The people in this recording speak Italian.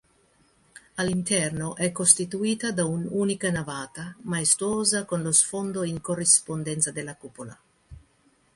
All'interno è costituita da un'unica navata, maestosa, con lo sfondo in corrispondenza della cupola.